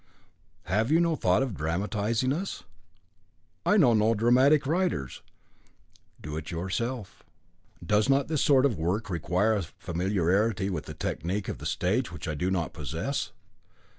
"Have you no thought of dramatising us?" "I know no dramatic writers." "Do it yourself." "Does not this sort of work require a certain familiarity with the technique of the stage which I do not possess?"